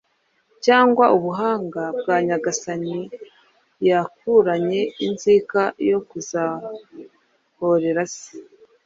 cyangwa ubuhanga bwa Nyagasani, yakuranye inzika yo kuzahorera se.